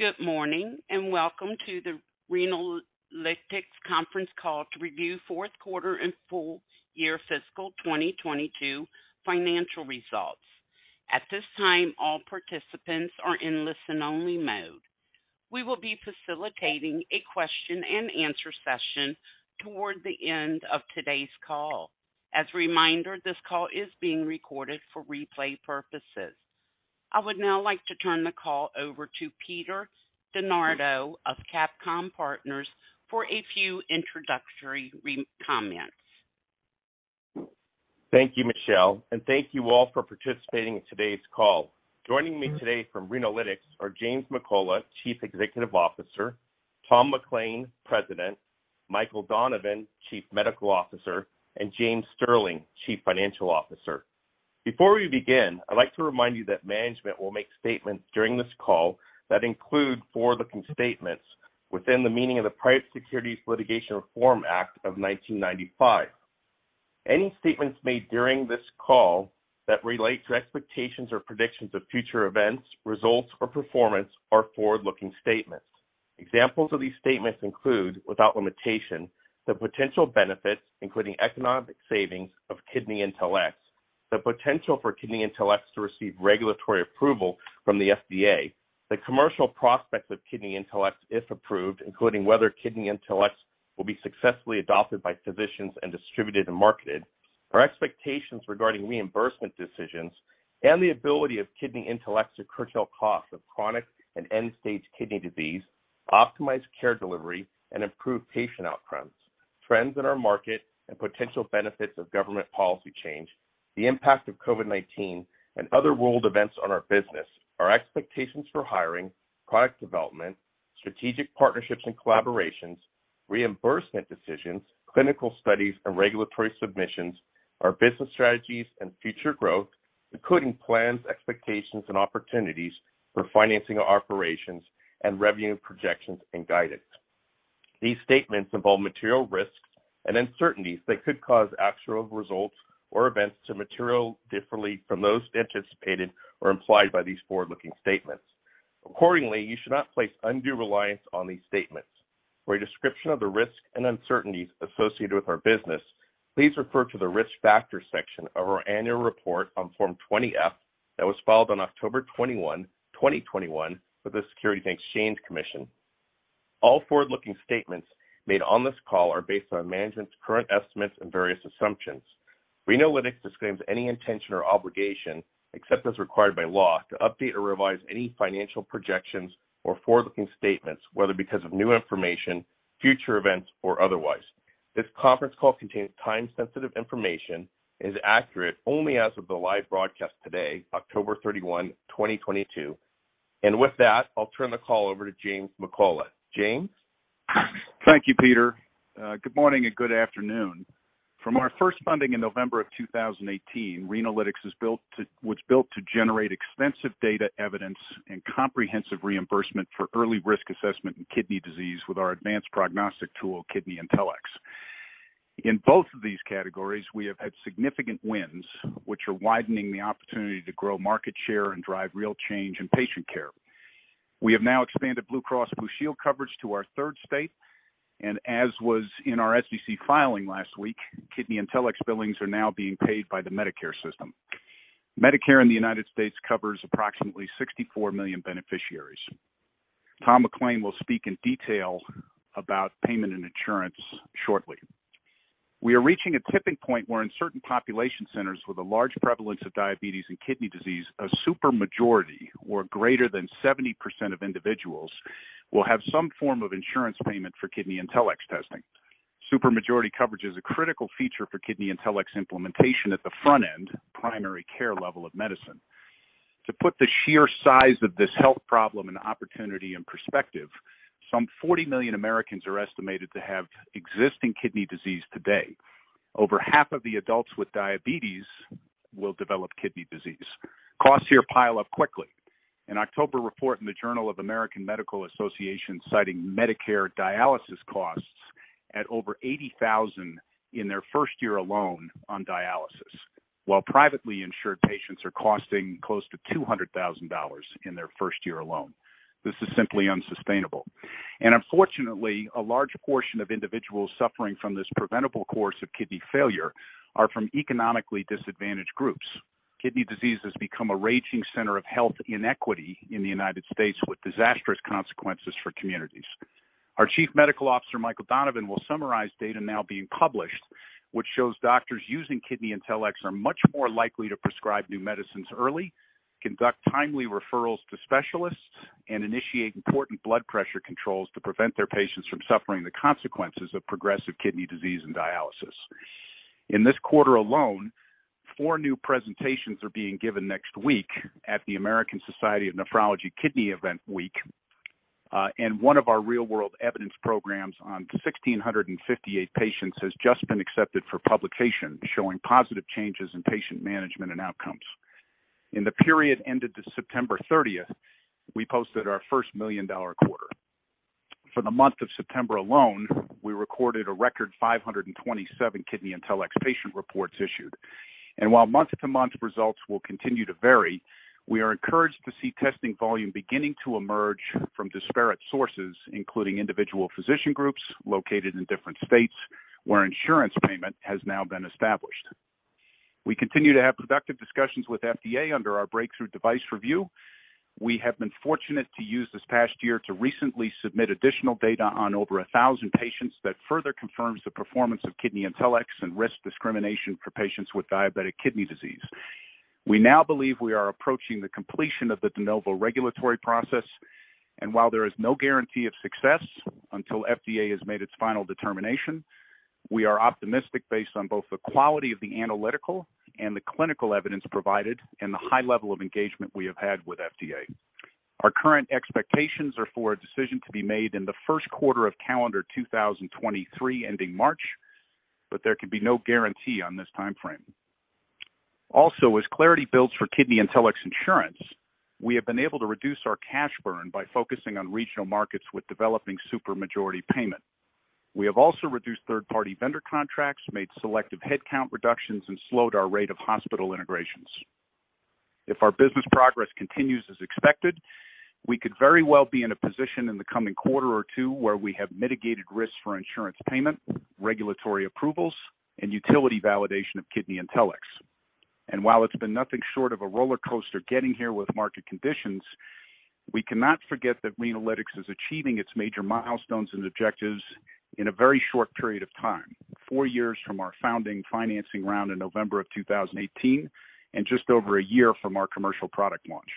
Good morning, and welcome to the Renalytix Conference Call to review fourth quarter and full year fiscal 2022 financial results. At this time, all participants are in listen-only mode. We will be facilitating a question and answer session toward the end of today's call. As a reminder, this call is being recorded for replay purposes. I would now like to turn the call over to Peter DeNardo of CapComm Partners for a few introductory comments. Thank you, Michelle, and thank you all for participating in today's call. Joining me today from Renalytix are James McCullough, Chief Executive Officer, Thomas McLain, President, Michael Donovan, Chief Medical Officer, and O. James Sterling, Chief Financial Officer. Before we begin, I'd like to remind you that management will make statements during this call that include forward-looking statements within the meaning of the Private Securities Litigation Reform Act of 1995. Any statements made during this call that relate to expectations or predictions of future events, results or performance are forward-looking statements. Examples of these statements include, without limitation, the potential benefits, including economic savings of KidneyIntelX, the potential for KidneyIntelX to receive regulatory approval from the FDA, the commercial prospects of KidneyIntelX if approved, including whether KidneyIntelX will be successfully adopted by physicians and distributed and marketed. Our expectations regarding reimbursement decisions and the ability of KidneyIntelX to curtail costs of chronic and end-stage kidney disease, optimize care delivery and improve patient outcomes, trends in our market and potential benefits of government policy change, the impact of COVID-19 and other world events on our business. Our expectations for hiring, product development, strategic partnerships and collaborations, reimbursement decisions, clinical studies and regulatory submissions, our business strategies and future growth, including plans, expectations and opportunities for financing our operations and revenue projections and guidance. These statements involve material risks and uncertainties that could cause actual results or events to differ materially from those anticipated or implied by these forward-looking statements. Accordingly, you should not place undue reliance on these statements. For a description of the risks and uncertainties associated with our business, please refer to the Risk Factors section of our annual report on Form 20-F that was filed on October 21, 2021 with the Securities and Exchange Commission. All forward-looking statements made on this call are based on management's current estimates and various assumptions. Renalytix disclaims any intention or obligation, except as required by law, to update or revise any financial projections or forward-looking statements, whether because of new information, future events, or otherwise. This conference call contains time-sensitive information and is accurate only as of the live broadcast today, October 31, 2022. With that, I'll turn the call over to James McCullough. James. Thank you, Peter. Good morning and good afternoon. From our first funding in November 2018, Renalytix was built to generate extensive data evidence and comprehensive reimbursement for early risk assessment in kidney disease with our advanced prognostic tool, KidneyIntelX. In both of these categories, we have had significant wins which are widening the opportunity to grow market share and drive real change in patient care. We have now expanded Blue Cross Blue Shield coverage to our third state, and as was in our SEC filing last week, KidneyIntelX's billings are now being paid by the Medicare system. Medicare in the United States covers approximately 64 million beneficiaries. Tom McLain will speak in detail about payment and insurance shortly. We are reaching a tipping point where in certain population centers with a large prevalence of diabetes and kidney disease, a super majority, or greater than 70% of individuals, will have some form of insurance payment for KidneyIntelX testing. Super majority coverage is a critical feature for KidneyIntelX's implementation at the front end primary care level of medicine. To put the sheer size of this health problem and opportunity in perspective, some 40 million Americans are estimated to have existing kidney disease today. Over half of the adults with diabetes will develop kidney disease. Costs here pile up quickly. An October report in the Journal of the American Medical Association citing Medicare dialysis costs at over $80,000 in their first year alone on dialysis. While privately insured patients are costing close to $200,000 in their first year alone. This is simply unsustainable. Unfortunately, a large portion of individuals suffering from this preventable course of kidney failure are from economically disadvantaged groups. Kidney disease has become a raging center of health inequity in the United States with disastrous consequences for communities. Our Chief Medical Officer, Michael Donovan, will summarize data now being published, which shows doctors using KidneyIntelX are much more likely to prescribe new medicines early, conduct timely referrals to specialists, and initiate important blood pressure controls to prevent their patients from suffering the consequences of progressive kidney disease and dialysis. In this quarter alone, four new presentations are being given next week at the American Society of Nephrology Kidney Week. One of our real world evidence programs on 1,658 patients has just been accepted for publication, showing positive changes in patient management and outcomes. In the period ended September 30, we posted our first million-dollar quarter. For the month of September alone, we recorded a record 527 KidneyIntelX patient reports issued. While month-to-month results will continue to vary, we are encouraged to see testing volume beginning to emerge from disparate sources, including individual physician groups located in different states where insurance payment has now been established. We continue to have productive discussions with FDA under our Breakthrough Device review. We have been fortunate to use this past year to recently submit additional data on over 1,000 patients. That further confirms the performance of KidneyIntelX and risk discrimination for patients with diabetic kidney disease. We now believe we are approaching the completion of the De novo regulatory process. While there is no guarantee of success until FDA has made its final determination, we are optimistic based on both the quality of the analytical and the clinical evidence provided and the high level of engagement we have had with FDA. Our current expectations are for a decision to be made in the first quarter of calendar 2023 ending March, but there can be no guarantee on this time frame. Also, as clarity builds for KidneyIntelX insurance, we have been able to reduce our cash burn by focusing on regional markets with developing super majority payment. We have also reduced third-party vendor contracts, made selective headcount reductions, and slowed our rate of hospital integrations. If our business progress continues as expected, we could very well be in a position in the coming quarter or two where we have mitigated risks for insurance payment, regulatory approvals, and utility validation of KidneyIntelX. While it's been nothing short of a roller coaster getting here with market conditions, we cannot forget that Renalytix is achieving its major milestones and objectives in a very short period of time, four years from our founding financing round in November of 2018, and just over a year from our commercial product launch.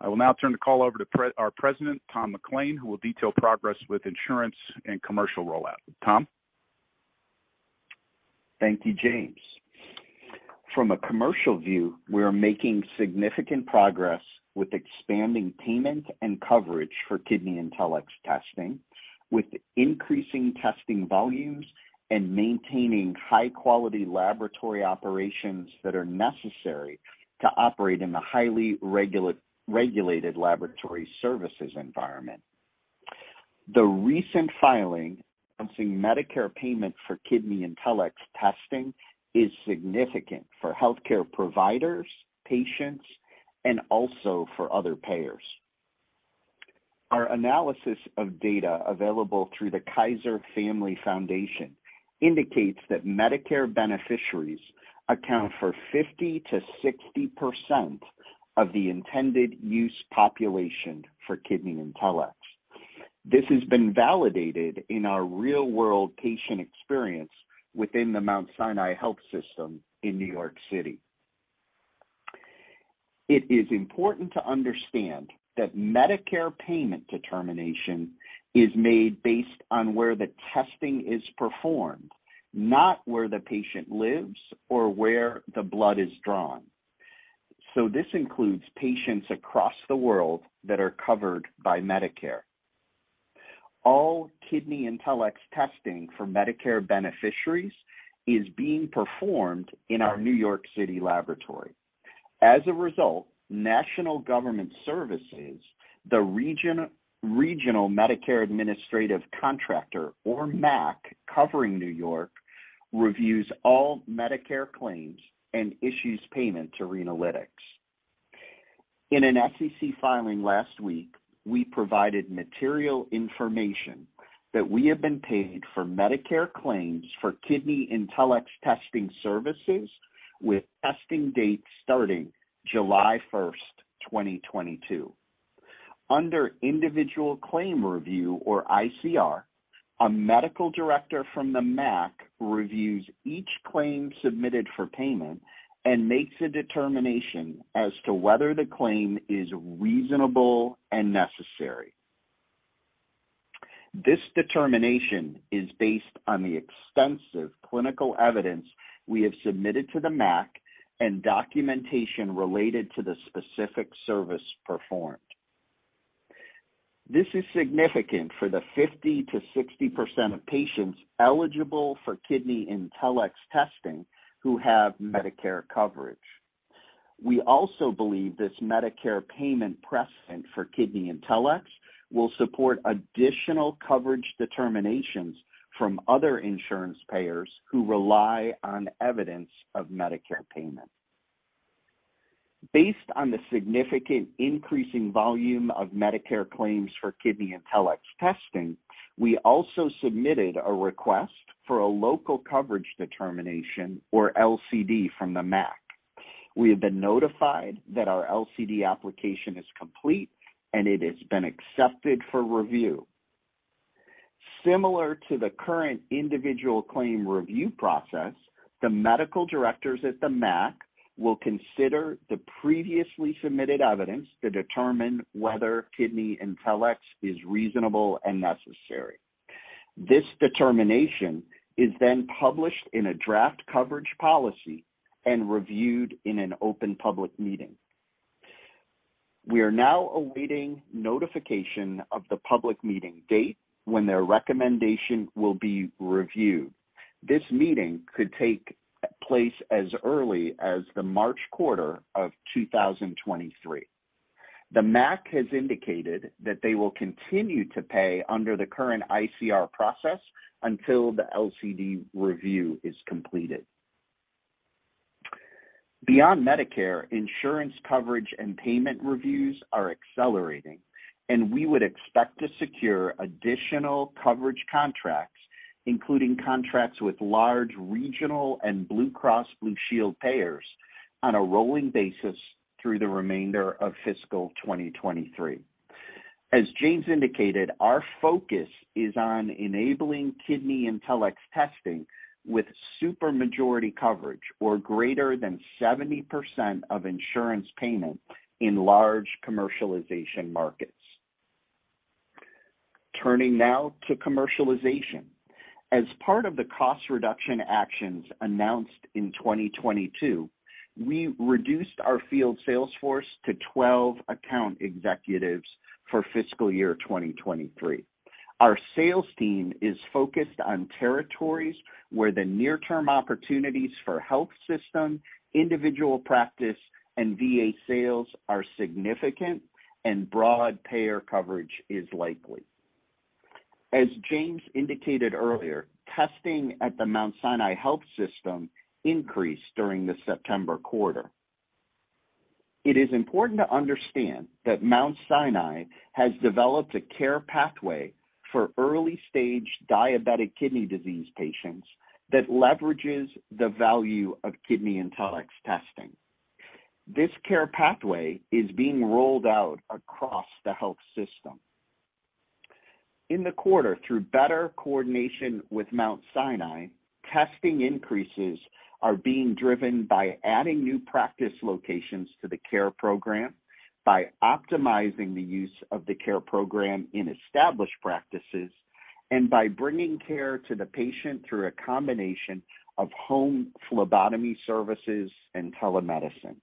I will now turn the call over to our President, Tom McLain, who will detail progress with insurance and commercial rollout. Tom? Thank you, James. From a commercial view, we are making significant progress with expanding payment and coverage for KidneyIntelX testing, with increasing testing volumes and maintaining high-quality laboratory operations that are necessary to operate in the highly regulated laboratory services environment. The recent filing announcing Medicare payment for KidneyIntelX testing is significant for healthcare providers, patients, and also for other payers. Our analysis of data available through the Kaiser Family Foundation indicates that Medicare beneficiaries account for 50%-60% of the intended use population for KidneyIntelX. This has been validated in our real-world patient experience within the Mount Sinai Health System in New York City. It is important to understand that Medicare payment determination is made based on where the testing is performed, not where the patient lives or where the blood is drawn. This includes patients across the world that are covered by Medicare. All KidneyIntelX testing for Medicare beneficiaries is being performed in our New York City laboratory. As a result, National Government Services, the regional Medicare administrative contractor, or MAC, covering New York, reviews all Medicare claims and issues payment to Renalytix. In an SEC filing last week, we provided material information that we have been paid for Medicare claims for KidneyIntelX testing services with testing dates starting July first, 2022. Under individual claim review or ICR, a medical director from the MAC reviews each claim submitted for payment and makes a determination as to whether the claim is reasonable and necessary. This determination is based on the extensive clinical evidence we have submitted to the MAC and documentation related to the specific service performed. This is significant for the 50%-60% of patients eligible for KidneyIntelX testing who have Medicare coverage. We also believe this Medicare payment precedent for KidneyIntelX will support additional coverage determinations from other insurance payers who rely on evidence of Medicare payment. Based on the significantly increasing volume of Medicare claims for KidneyIntelX testing, we also submitted a request for a local coverage determination or LCD from the MAC. We have been notified that our LCD application is complete, and it has been accepted for review. Similar to the current individual claim review process, the medical directors at the MAC will consider the previously submitted evidence to determine whether KidneyIntelX is reasonable and necessary. This determination is then published in a draft coverage policy and reviewed in an open public meeting. We are now awaiting notification of the public meeting date when their recommendation will be reviewed. This meeting could take place as early as the March quarter of 2023. The MAC has indicated that they will continue to pay under the current ICR process until the LCD review is completed. Beyond Medicare, insurance coverage and payment reviews are accelerating, and we would expect to secure additional coverage contracts, including contracts with large regional and Blue Cross Blue Shield payers on a rolling basis through the remainder of fiscal 2023. As James indicated, our focus is on enabling KidneyIntelX testing with supermajority coverage or greater than 70% of insurance payment in large commercialization markets. Turning now to commercialization. As part of the cost reduction actions announced in 2022, we reduced our field sales force to 12 account executives for fiscal year 2023. Our sales team is focused on territories where the near term opportunities for health system, individual practice, and VA sales are significant and broad payer coverage is likely. As James indicated earlier, testing at the Mount Sinai Health System increased during the September quarter. It is important to understand that Mount Sinai has developed a care pathway for early stage diabetic kidney disease patients that leverages the value of KidneyIntelX's testing. This care pathway is being rolled out across the health system. In the quarter, through better coordination with Mount Sinai, testing increases are being driven by adding new practice locations to the care program, by optimizing the use of the care program in established practices, and by bringing care to the patient through a combination of home phlebotomy services and telemedicine.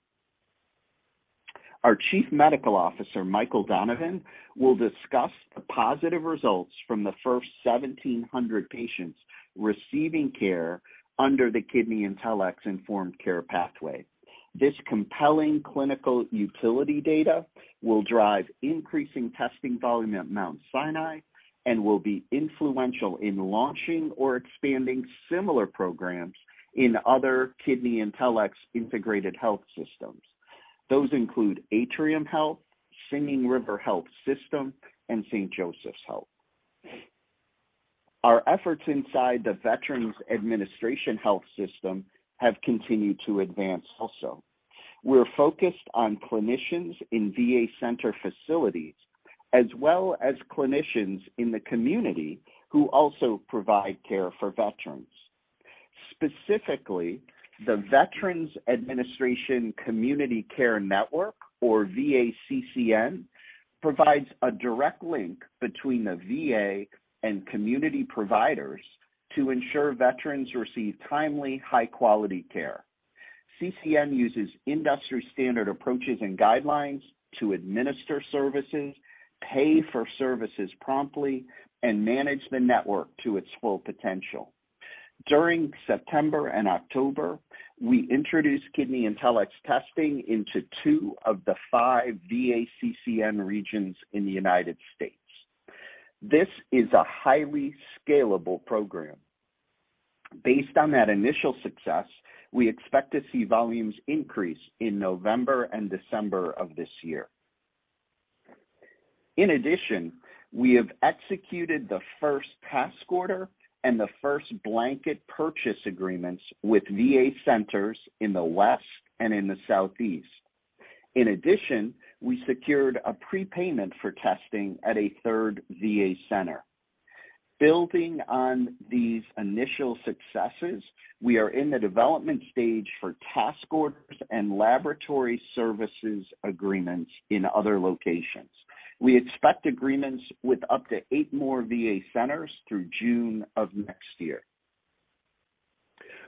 Our chief medical officer, Michael Donovan, will discuss the positive results from the first 1,700 patients receiving care under the KidneyIntelX's informed care pathway. This compelling clinical utility data will drive increasing testing volume at Mount Sinai and will be influential in launching or expanding similar programs in other KidneyIntelX's integrated health systems. Those include Atrium Health, Singing River Health System, and St. Joseph's Health. Our efforts inside the Veterans Administration Health system have continued to advance also. We're focused on clinicians in VA center facilities, as well as clinicians in the community who also provide care for veterans. Specifically, the Veterans Administration Community Care Network, or VACCN, provides a direct link between the VA and community providers to ensure veterans receive timely, high quality care. CCN uses industry standard approaches and guidelines to administer services, pay for services promptly, and manage the network to its full potential. During September and October, we introduced KidneyIntelX's testing into two of the five VACCN regions in the United States. This is a highly scalable program. Based on that initial success, we expect to see volumes increase in November and December of this year. In addition, we have executed the first task order and the first blanket purchase agreements with VA centers in the West and in the Southeast. In addition, we secured a prepayment for testing at a third VA center. Building on these initial successes, we are in the development stage for task orders and laboratory services agreements in other locations. We expect agreements with up to eight more VA centers through June of next year.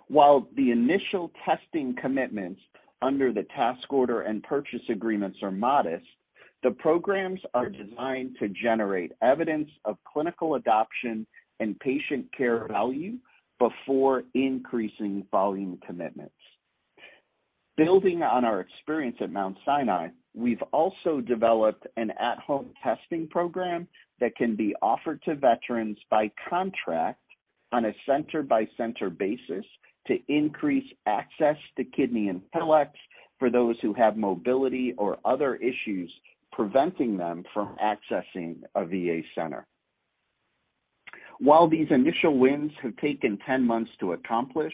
While the initial testing commitments under the task order and purchase agreements are modest, the programs are designed to generate evidence of clinical adoption and patient care value before increasing volume commitments. Building on our experience at Mount Sinai, we've also developed an at home testing program that can be offered to veterans by contract on a center by center basis to increase access to KidneyIntelX for those who have mobility or other issues preventing them from accessing a VA center. While these initial wins have taken 10 months to accomplish,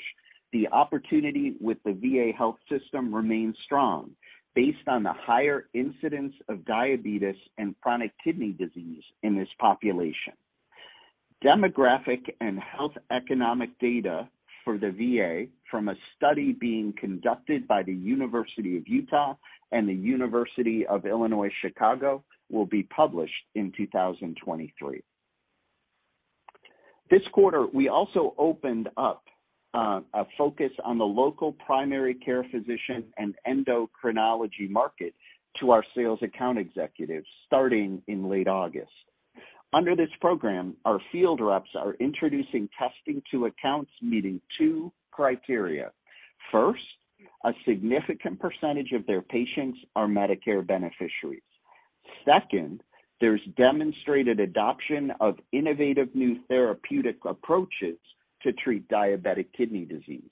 the opportunity with the VA health system remains strong based on the higher incidence of diabetes and chronic kidney disease in this population. Demographic and health economic data for the VA from a study being conducted by the University of Utah and the University of Illinois Chicago will be published in 2023. This quarter, we also opened up a focus on the local primary care physician and endocrinology market to our sales account executives starting in late August. Under this program, our field reps are introducing testing to accounts meeting two criteria. First, a significant percentage of their patients are Medicare beneficiaries. Second, there's demonstrated adoption of innovative new therapeutic approaches to treat diabetic kidney disease.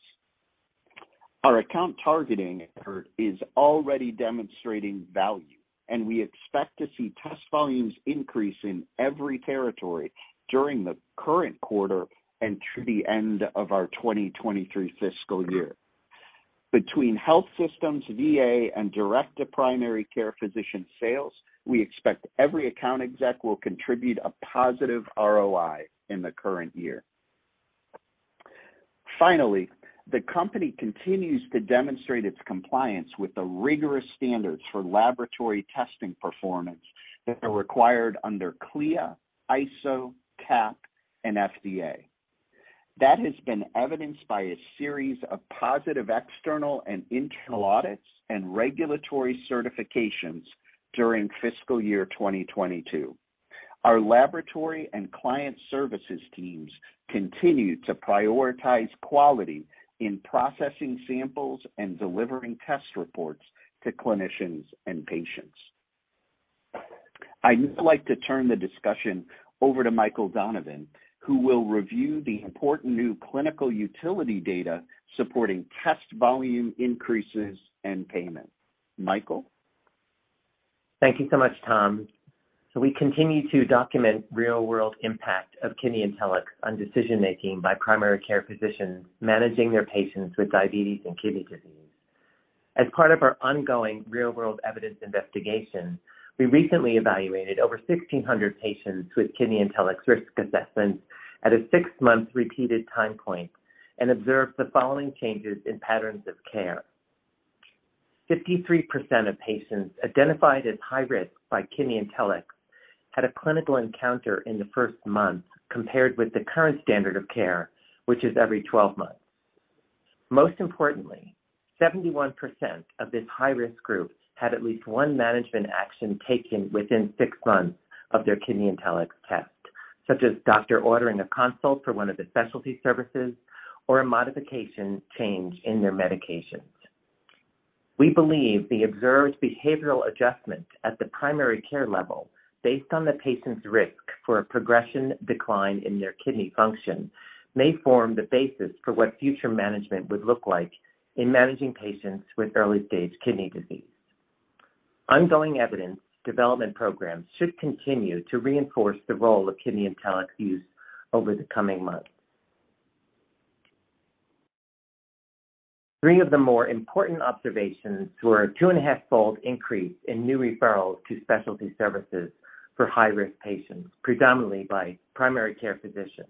Our account targeting effort is already demonstrating value, and we expect to see test volumes increase in every territory during the current quarter and through the end of our 2023 fiscal year. Between health systems, VA, and direct to primary care physician sales, we expect every account exec will contribute a positive ROI in the current year. Finally, the company continues to demonstrate its compliance with the rigorous standards for laboratory testing performance that are required under CLIA, ISO, CAP, and FDA. That has been evidenced by a series of positive external and internal audits and regulatory certifications during fiscal year 2022. Our laboratory and client services teams continue to prioritize quality in processing samples and delivering test reports to clinicians and patients. I'd now like to turn the discussion over to Michael Donovan, who will review the important new clinical utility data supporting test volume increases and payments. Michael? Thank you so much, Tom. We continue to document real-world impact of KidneyIntelX on decision-making by primary care physicians managing their patients with diabetes and kidney disease. As part of our ongoing real-world evidence investigation, we recently evaluated over 1,600 patients with KidneyIntelX's risk assessment at a six-month repeated time point and observed the following changes in patterns of care. 53% of patients identified as high risk by KidneyIntelX had a clinical encounter in the first month compared with the current standard of care, which is every 12 months. Most importantly, 71% of this high-risk group had at least one management action taken within 6 months of their KidneyIntelX test, such as doctor ordering a consult for one of the specialty services or a modification change in their medications. We believe the observed behavioral adjustments at the primary care level based on the patient's risk for a progression decline in their kidney function may form the basis for what future management would look like in managing patients with early stage kidney disease. Ongoing evidence development programs should continue to reinforce the role of KidneyIntelX use over the coming months. Three of the more important observations were a 2.5-fold increase in new referrals to specialty services for high-risk patients, predominantly by primary care physicians,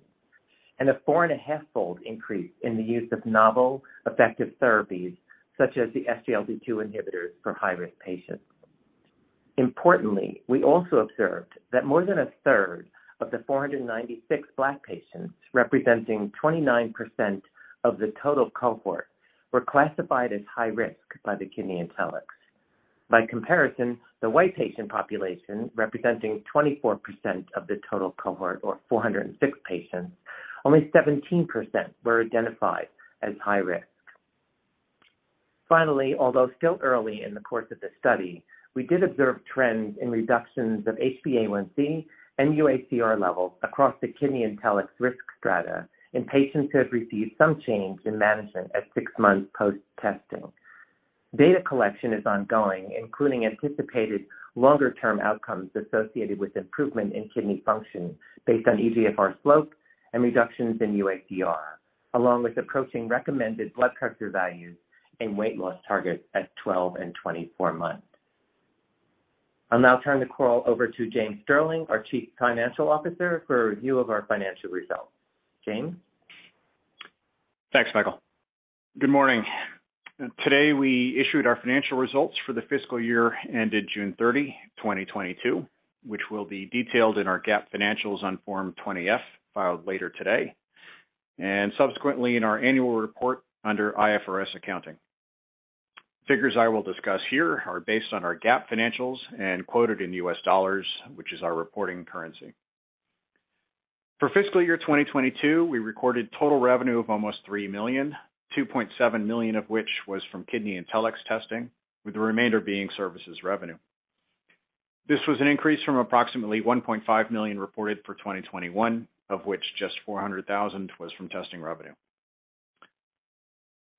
and a 4.5-fold increase in the use of novel effective therapies such as the SGLT2 inhibitors for high-risk patients. Importantly, we also observed that more than a third of the 496 Black patients, representing 29% of the total cohort, were classified as high risk by the KidneyIntelX. By comparison, the White patient population, representing 24% of the total cohort or 406 patients, only 17% were identified as high risk. Finally, although still early in the course of the study, we did observe trends in reductions of HbA1c and UACR levels across the KidneyIntelX risk strata in patients who had received some change in management at six months post-testing. Data collection is ongoing, including anticipated longer-term outcomes associated with improvement in kidney function based on eGFR slope and reductions in UACR, along with approaching recommended blood pressure values and weight loss targets at 12 and 24 months. I'll now turn the call over to James Sterling, our Chief Financial Officer, for a review of our financial results. James? Thanks, Michael. Good morning. Today, we issued our financial results for the fiscal year ended June 30, 2022, which will be detailed in our GAAP financials on Form 20-F filed later today, and subsequently in our annual report under IFRS accounting. Figures I will discuss here are based on our GAAP financials and quoted in US dollars, which is our reporting currency. For fiscal year 2022, we recorded total revenue of almost $3 million, $2.7 million of which was from KidneyIntelX testing, with the remainder being services revenue. This was an increase from approximately $1.5 million reported for 2021, of which just $400,000 was from testing revenue.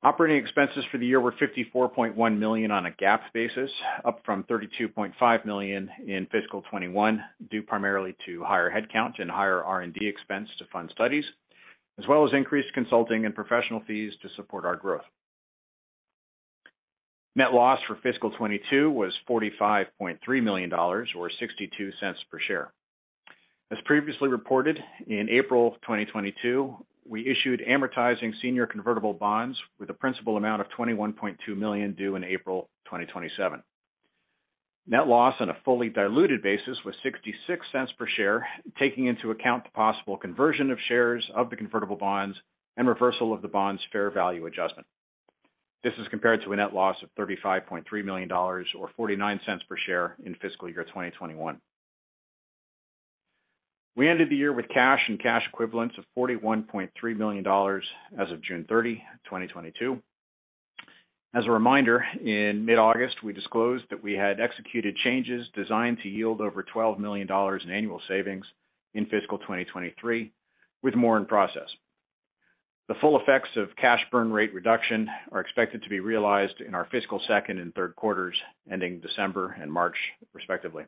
Operating expenses for the year were $54.1 million on a GAAP basis, up from $32.5 million in fiscal 2021, due primarily to higher headcount and higher R&D expense to fund studies, as well as increased consulting and professional fees to support our growth. Net loss for fiscal 2022 was $45.3 million or $0.62 per share. As previously reported, in April 2022, we issued amortizing senior convertible bonds with a principal amount of $21.2 million due in April 2027. Net loss on a fully diluted basis was $0.66 per share, taking into account the possible conversion of shares of the convertible bonds and reversal of the bonds' fair value adjustment. This is compared to a net loss of $35.3 million or 49 cents per share in fiscal year 2021. We ended the year with cash and cash equivalents of $41.3 million as of June 30, 2022. As a reminder, in mid-August, we disclosed that we had executed changes designed to yield over $12 million in annual savings in fiscal 2023, with more in process. The full effects of cash burn rate reduction are expected to be realized in our fiscal second and third quarters, ending December and March, respectively.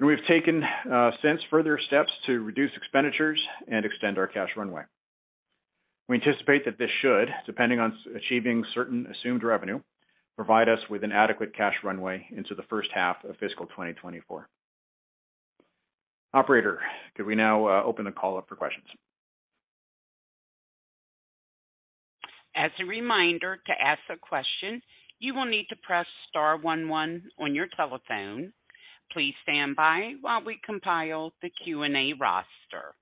We've taken some further steps to reduce expenditures and extend our cash runway. We anticipate that this should, depending on achieving certain assumed revenue, provide us with an adequate cash runway into the first half of fiscal 2024. Operator, could we now open the call up for questions? As a reminder, to ask a question, you will need to press star one one on your telephone. Please stand by while we compile the Q&A roster.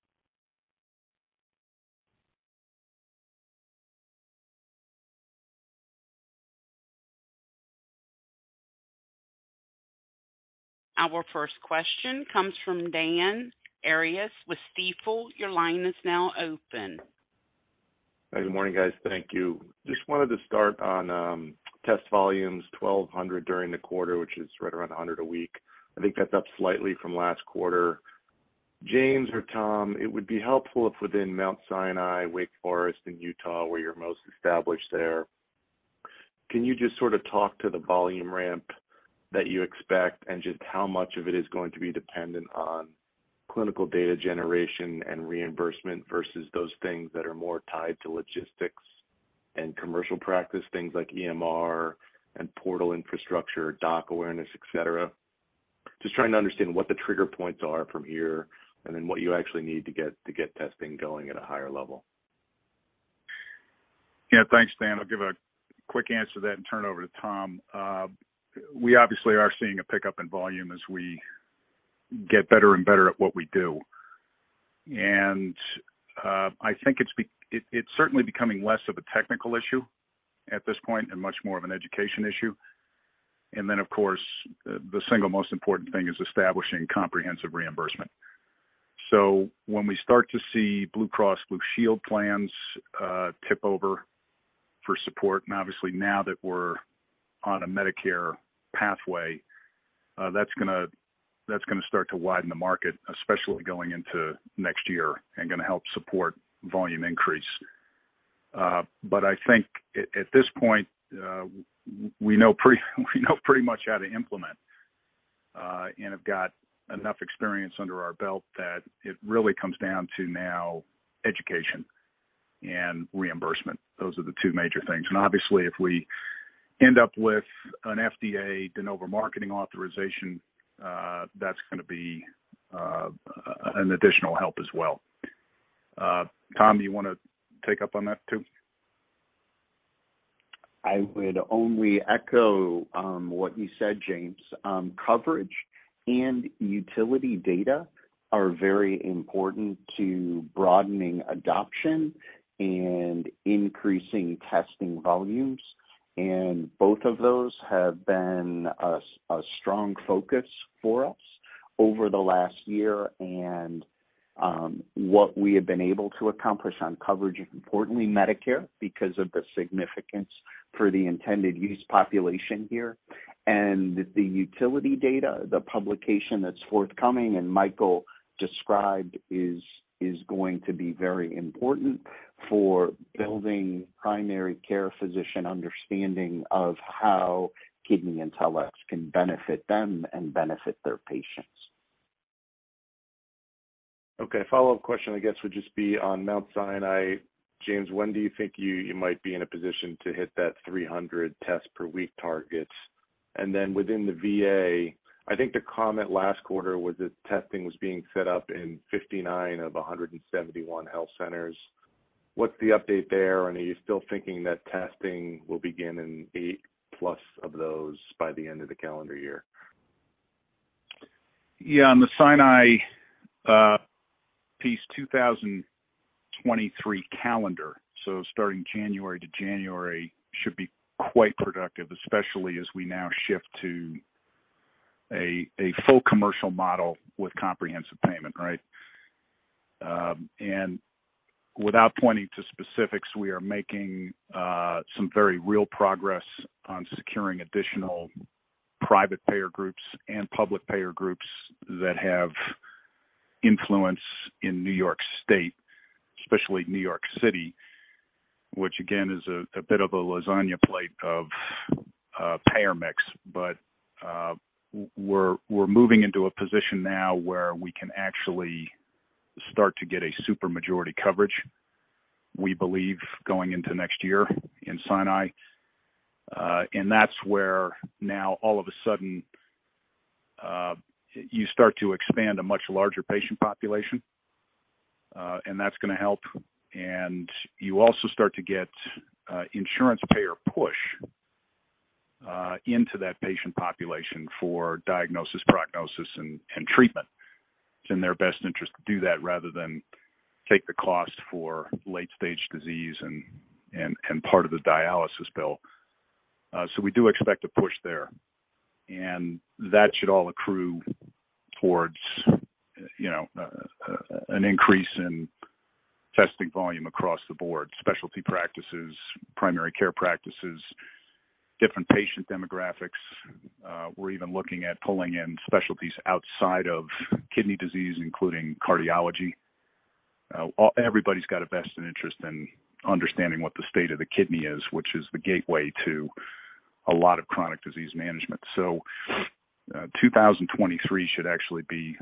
Our first question comes from Daniel Arias with Stifel. Your line is now open. Good morning, guys. Thank you. Just wanted to start on test volumes, 1,200 during the quarter, which is right around 100 a week. I think that's up slightly from last quarter. James or Tom, it would be helpful if within Mount Sinai, Wake Forest, and Utah, where you're most established there. Can you just sort of talk to the volume ramp that you expect and just how much of it is going to be dependent on clinical data generation and reimbursement versus those things that are more tied to logistics and commercial practice, things like EMR and portal infrastructure, doc awareness, et cetera? Just trying to understand what the trigger points are from here and then what you actually need to get to get testing going at a higher level. Yeah. Thanks, Dan. I'll give a quick answer to that and turn it over to Tom. We obviously are seeing a pickup in volume as we get better and better at what we do. I think it's certainly becoming less of a technical issue at this point and much more of an education issue. Of course, the single most important thing is establishing comprehensive reimbursement. When we start to see Blue Cross Blue Shield plans tip over for support, and obviously now that we're on a Medicare pathway, that's gonna start to widen the market, especially going into next year and gonna help support volume increase. I think at this point, we know pretty much how to implement, and have got enough experience under our belt that it really comes down to now education and reimbursement. Those are the two major things. Obviously, if we end up with an FDA De Novo marketing authorization, that's gonna be an additional help as well. Tom, do you wanna take up on that too? I would only echo what you said, James. Coverage and utility data are very important to broadening adoption and increasing testing volumes, and both of those have been a strong focus for us over the last year and what we have been able to accomplish on coverage, importantly, Medicare, because of the significance for the intended use population here. The utility data, the publication that's forthcoming and Michael described is going to be very important for building primary care physician understanding of how KidneyIntelX can benefit them and benefit their patients. Okay. Follow-up question, I guess, would just be on Mount Sinai. James, when do you think you might be in a position to hit that 300 test per week targets? And then within the VA, I think the comment last quarter was that testing was being set up in 59 of 171 health centers. What's the update there? And are you still thinking that testing will begin in 8+ of those by the end of the calendar year? Yeah. On the Mount Sinai piece 2023 calendar, so starting January to January, should be quite productive, especially as we now shift to a full commercial model with comprehensive payment, right? Without pointing to specifics, we are making some very real progress on securing additional private payer groups and public payer groups that have influence in New York State, especially New York City, which again is a bit of a lasagna plate of payer mix. We're moving into a position now where we can actually start to get a supermajority coverage, we believe, going into next year in Mount Sinai. That's where now all of a sudden you start to expand a much larger patient population, and that's gonna help. You also start to get insurance payer push into that patient population for diagnosis, prognosis, and treatment. It's in their best interest to do that rather than take the cost for late-stage disease and part of the dialysis bill. We do expect a push there. That should all accrue towards an increase in testing volume across the board, specialty practices, primary care practices, different patient demographics. We're even looking at pulling in specialties outside of kidney disease, including cardiology. Everybody's got a vested interest in understanding what the state of the kidney is, which is the gateway to a lot of chronic disease management. 2023 should actually be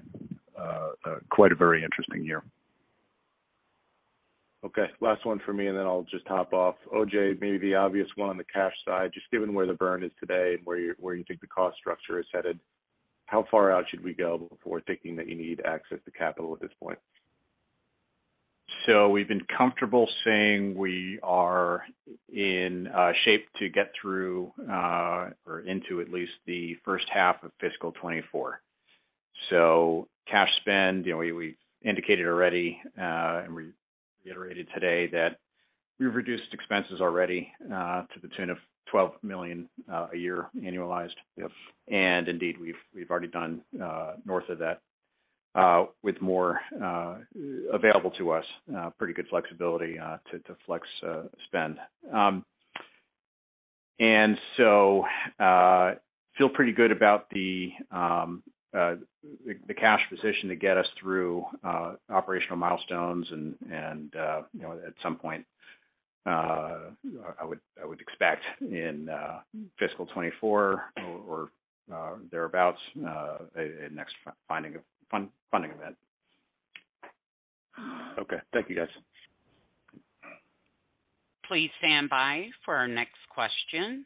quite a very interesting year. Okay, last one for me, and then I'll just hop off. OJ, maybe the obvious one on the cash side, just given where the burn is today and where you think the cost structure is headed, how far out should we go before thinking that you need access to capital at this point? We've been comfortable saying we are in shape to get through or into at least the first half of fiscal 2024. Cash spend, you know, we indicated already and we reiterated today that we've reduced expenses already to the tune of $12 million a year annualized. Yes. Indeed, we've already done north of that, with more available to us, pretty good flexibility to flex spend. Feel pretty good about the cash position to get us through operational milestones and you know, at some point, I would expect in fiscal 2024 or thereabouts, a next funding event. Okay. Thank you, guys. Please stand by for our next question.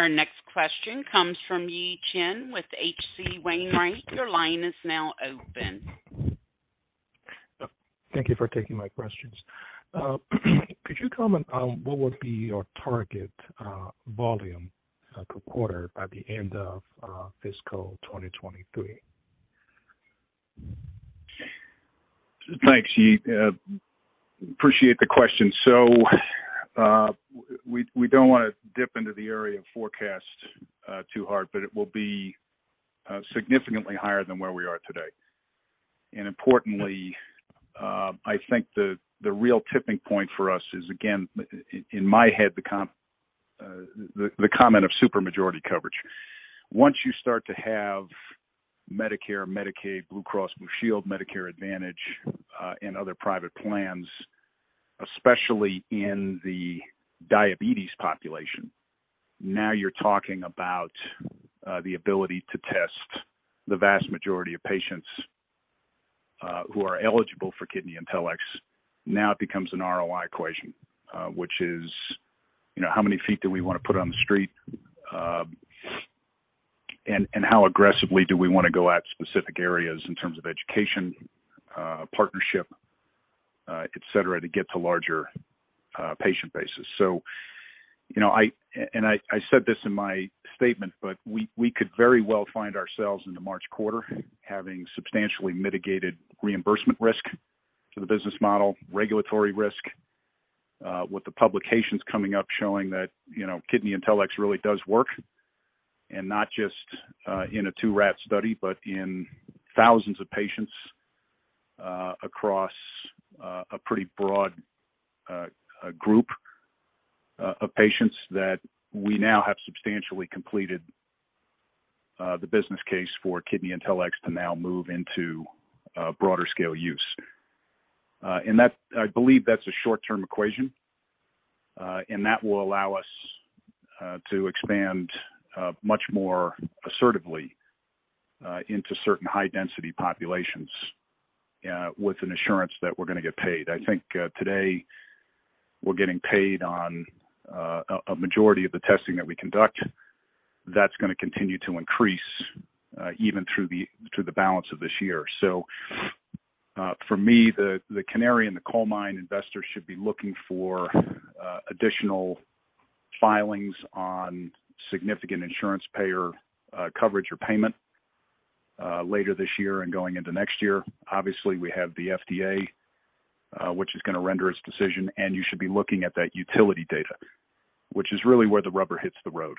Our next question comes from Yi Chen with H.C. Wainwright & Co. Your line is now open. Thank you for taking my questions. Could you comment on what would be your target volume per quarter by the end of fiscal 2023? Thanks, Yi. Appreciate the question. We don't wanna dip into the area of forecast too hard, but it will be significantly higher than where we are today. Importantly, I think the real tipping point for us is, again, in my head, the concept of super majority coverage. Once you start to have Medicare, Medicaid, Blue Cross Blue Shield, Medicare Advantage, and other private plans, especially in the diabetes population, now you're talking about the ability to test the vast majority of patients who are eligible for KidneyIntelX. Now it becomes an ROI equation, which is, you know, how many feet do we wanna put on the street, and how aggressively do we wanna go at specific areas in terms of education, partnership, et cetera, to get to larger patient bases. You know, I said this in my statement, but we could very well find ourselves in the March quarter having substantially mitigated reimbursement risk to the business model, regulatory risk, with the publications coming up showing that, you know, KidneyIntelX really does work. Not just in a two-year study, but in thousands of patients across a pretty broad group of patients that we now have substantially completed the business case for KidneyIntelX to now move into broader scale use. I believe that's a short-term equation, and that will allow us to expand much more assertively into certain high density populations with an assurance that we're gonna get paid. I think today, we're getting paid on a majority of the testing that we conduct. That's gonna continue to increase even through the balance of this year. For me, the canary in the coal mine investors should be looking for additional filings on significant insurance payer coverage or payment later this year and going into next year. Obviously, we have the FDA which is gonna render its decision, and you should be looking at that utility data, which is really where the rubber hits the road.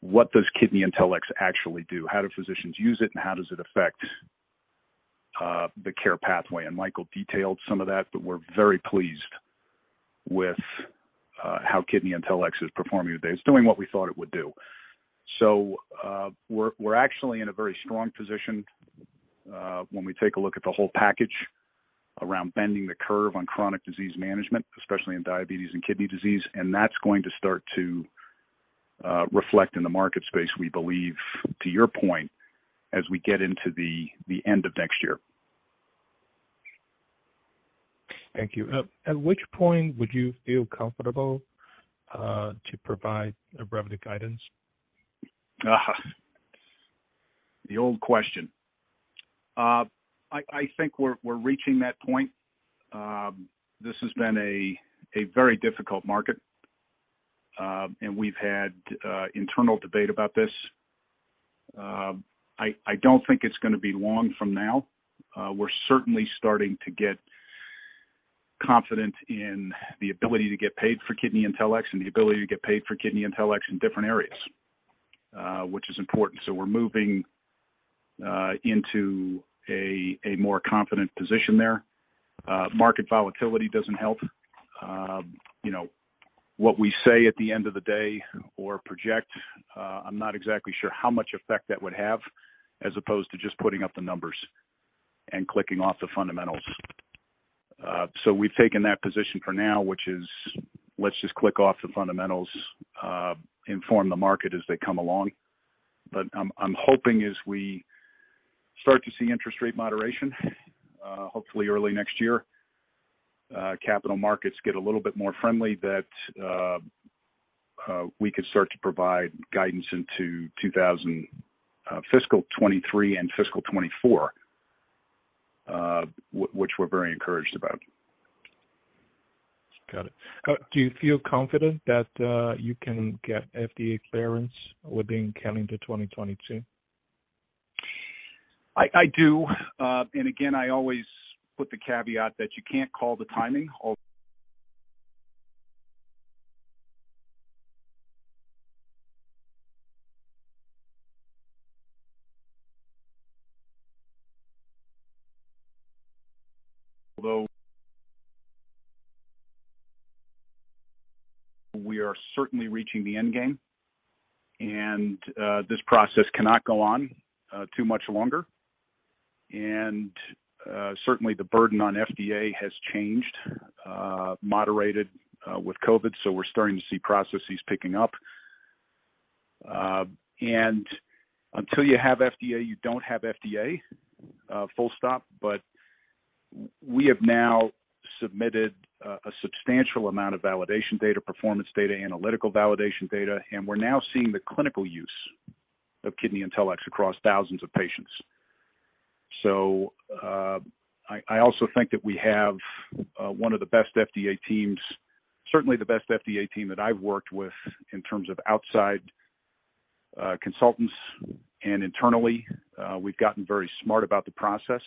What does KidneyIntelX actually do? How do physicians use it, and how does it affect the care pathway? Michael detailed some of that, but we're very pleased with how KidneyIntelX is performing today. It's doing what we thought it would do. We're actually in a very strong position when we take a look at the whole package around bending the curve on chronic disease management, especially in diabetes and kidney disease, and that's going to start to reflect in the market space, we believe, to your point, as we get into the end of next year. Thank you. At which point would you feel comfortable to provide a revenue guidance? The old question. I think we're reaching that point. This has been a very difficult market, and we've had internal debate about this. I don't think it's gonna be long from now. We're certainly starting to get confident in the ability to get paid for KidneyIntelX and the ability to get paid for KidneyIntelX in different areas, which is important. We're moving into a more confident position there. Market volatility doesn't help. You know, what we say at the end of the day or project, I'm not exactly sure how much effect that would have as opposed to just putting up the numbers and clicking off the fundamentals. We've taken that position for now, which is let's just tick off the fundamentals, inform the market as they come along. I'm hoping as we start to see interest rate moderation, hopefully early next year, capital markets get a little bit more friendly that we could start to provide guidance into 2023, fiscal 2023 and fiscal 2024, which we're very encouraged about. Got it. Do you feel confident that you can get FDA clearance within calendar 2022? I do. I always put the caveat that you can't call the timing. Although we are certainly reaching the end game and this process cannot go on too much longer. Certainly the burden on FDA has changed, moderated, with COVID, so we're starting to see processes picking up. Until you have FDA, you don't have FDA full stop. But we have now submitted a substantial amount of validation data, performance data, analytical validation data, and we're now seeing the clinical use of KidneyIntelX across thousands of patients. I also think that we have one of the best FDA teams, certainly the best FDA team that I've worked with in terms of outside consultants and internally. We've gotten very smart about the process.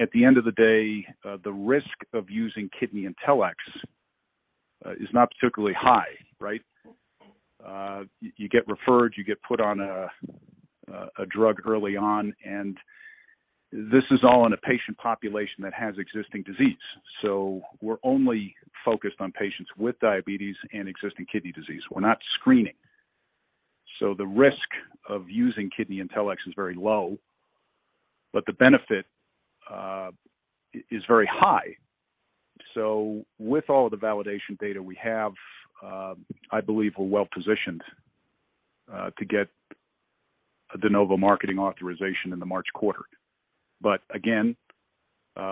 At the end of the day, the risk of using KidneyIntelX is not particularly high, right? You get referred, you get put on a drug early on, and this is all in a patient population that has existing disease. We're only focused on patients with diabetes and existing kidney disease. We're not screening. The risk of using KidneyIntelX is very low, but the benefit is very high. With all the validation data we have, I believe we're well positioned to get a De Novo marketing authorization in the March quarter. Again,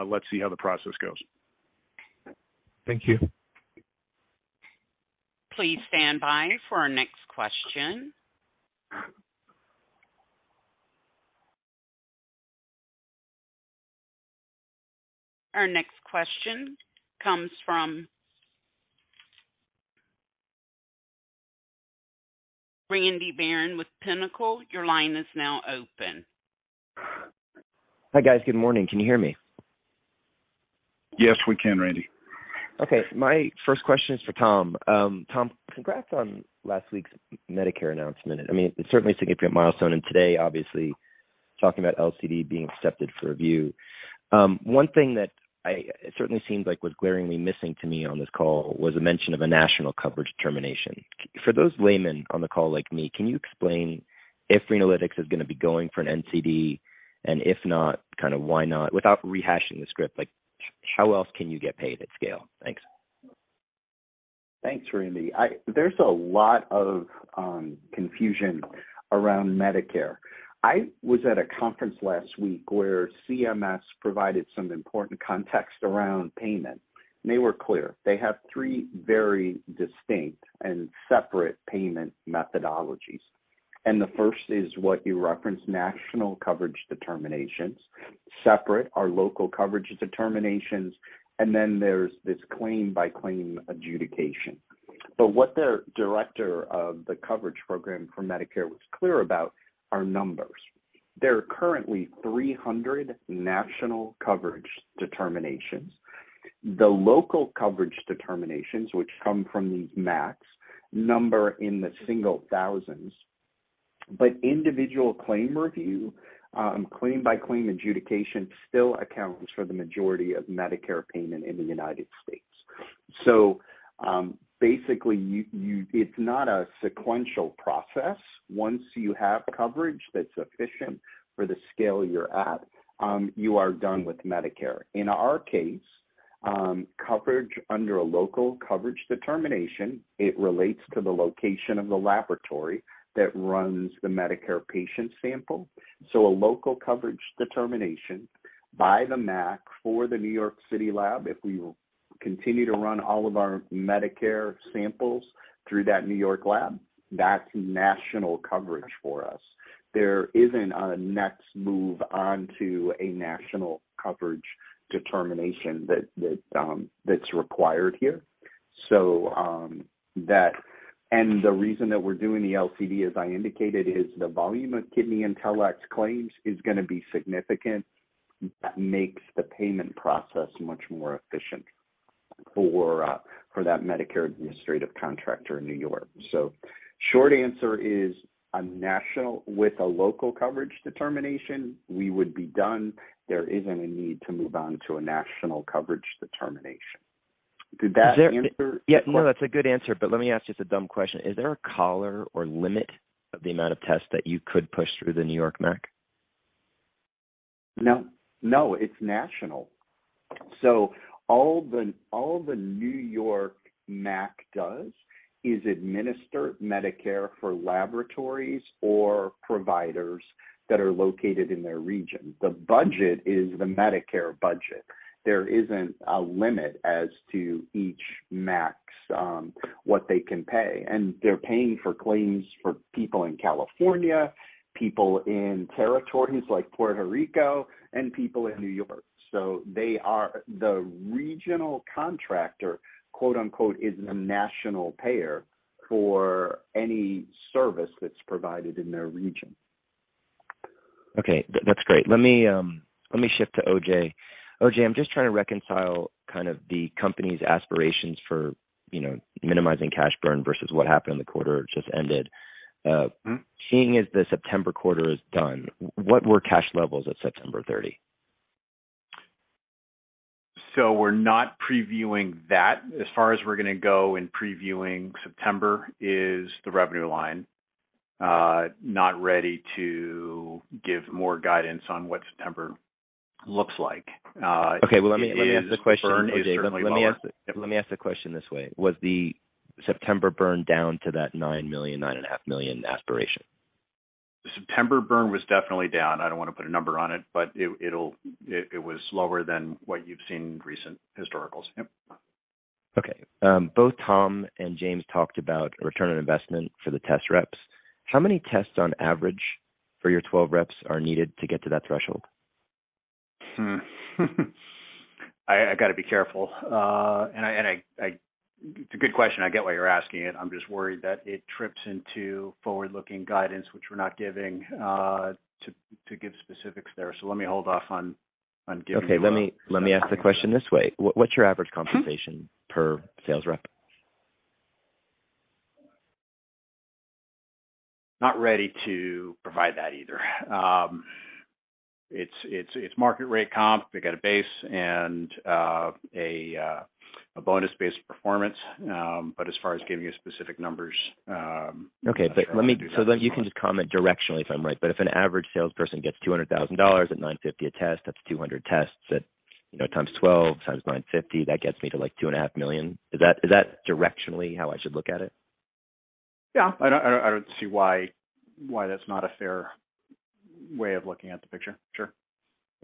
let's see how the process goes. Thank you. Please stand by for our next question. Our next question comes from Randy Baron with Pinnacle. Your line is now open. Hi, guys. Good morning. Can you hear me? Yes, we can, Randy. Okay, my first question is for Tom. Tom, congrats on last week's Medicare announcement. I mean, it's certainly a significant milestone, and today, obviously, talking about LCD being accepted for review. One thing that it certainly seems like was glaringly missing to me on this call was a mention of a national coverage determination. For those laymen on the call like me, can you explain if Renalytix is gonna be going for an NCD? And if not, kind of why not? Without rehashing the script, like how else can you get paid at scale? Thanks. Thanks, Randy. There's a lot of confusion around Medicare. I was at a conference last week where CMS provided some important context around payment. They were clear. They have three very distinct and separate payment methodologies. The first is what you referenced, national coverage determinations. Separate are local coverage determinations. There's this claim by claim adjudication. What their director of the coverage program for Medicare was clear about are numbers. There are currently 300 national coverage determinations. The local coverage determinations, which come from these MACs, number in the single thousands. Individual claim review, claim by claim adjudication still accounts for the majority of Medicare payment in the United States. Basically, it's not a sequential process. Once you have coverage that's efficient for the scale you're at, you are done with Medicare. In our case, coverage under a local coverage determination, it relates to the location of the laboratory that runs the Medicare patient sample. A local coverage determination by the MAC for the New York City lab, if we continue to run all of our Medicare samples through that New York lab. That's national coverage for us. There isn't a next move onto a national coverage determination that's required here. The reason that we're doing the LCD, as I indicated, is the volume of KidneyIntelX claims is gonna be significant. That makes the payment process much more efficient for that Medicare Administrative Contractor in New York. Short answer is a national with a local coverage determination, we would be done. There isn't a need to move on to a national coverage determination. Did that answer? Yeah. No, that's a good answer, let me ask just a dumb question. Is there a collar or limit of the amount of tests that you could push through the New York MAC? No. No, it's national. All the New York MAC does is administer Medicare for laboratories or providers that are located in their region. The budget is the Medicare budget. There isn't a limit as to each MAC what they can pay. They're paying for claims for people in California, people in territories like Puerto Rico and people in New York. They are the regional contractor, quote-unquote, "is a national payer for any service that's provided in their region. Okay. That's great. Let me shift to OJ. OJ, I'm just trying to reconcile kind of the company's aspirations for, you know, minimizing cash burn versus what happened in the quarter it just ended. Mm-hmm. Seeing as the September quarter is done, what were cash levels at September 30? We're not previewing that. As far as we're gonna go in previewing September is the revenue line. Not ready to give more guidance on what September looks like. Okay, well let me ask the question. The burn is certainly lower. Okay. Let me ask the question this way: Was the September burn down to that $9 million-$9.5 million aspiration? The September burn was definitely down. I don't wanna put a number on it, but it was lower than what you've seen in recent historicals. Yep. Okay. Both Tom and James talked about a return on investment for the test reps. How many tests on average for your 12 reps are needed to get to that threshold? I gotta be careful. It's a good question. I get why you're asking it. I'm just worried that it trips into forward-looking guidance, which we're not giving, to give specifics there. Let me hold off on giving. Okay. Let me ask the question this way. What's your average compensation per sales rep? Not ready to provide that either. It's market rate comp. They get a base and a bonus-based performance. As far as giving you specific numbers, You can just comment directionally if I'm right. If an average salesperson gets $200,000 at $9.50 a test, that's 200 tests at, you know, times 12 times $9.50, that gets me to, like, $2.5 million. Is that directionally how I should look at it? Yeah. I don't see why that's not a fair way of looking at the picture. Sure.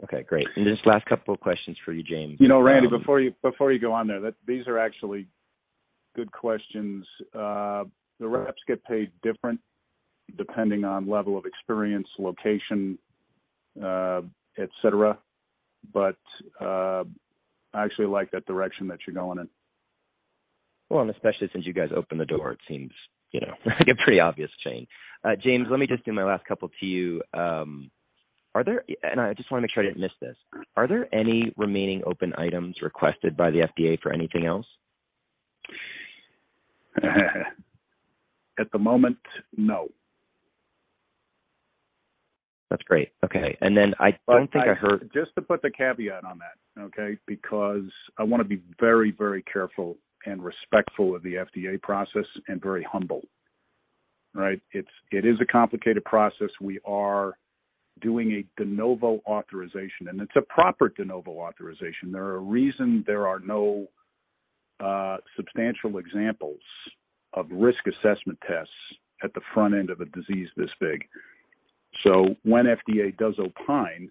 Okay, great. Just last couple of questions for you, James. You know, Randy, before you go on there, that these are actually good questions. The reps get paid different depending on level of experience, location, et cetera. I actually like that direction that you're going in. Well, especially since you guys opened the door, it seems, you know, like a pretty obvious chain. James, let me just do my last couple to you. I just wanna make sure I didn't miss this. Are there any remaining open items requested by the FDA for anything else? At the moment, no. That's great. Okay. I don't think I heard. Just to put the caveat on that, okay, because I wanna be very, very careful and respectful of the FDA process and very humble. Right? It's, it is a complicated process. We are doing a De Novo authorization, and it's a proper De Novo authorization. There are reasons there are no substantial examples of risk assessment tests at the front end of a disease this big. When FDA does opine,